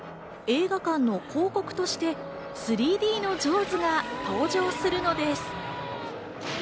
映画館の広告として３Ｄのジョーズが登場するのです。